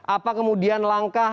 apa kemudian langkah